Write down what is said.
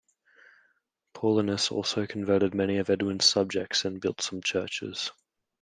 Paulinus also converted many of Edwin's subjects and built some churches.